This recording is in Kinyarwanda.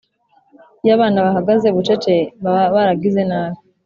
iyo abana bahagaze bucece, baba baragize nabi.